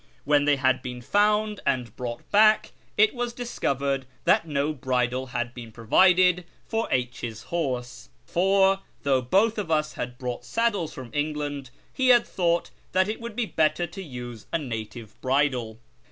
When they had been found and brought back, it was dis covered that no bridle had been provided for H 's horse ; for, though both of us had brought saddles from England, he had thought that it would be better to use a native bridle.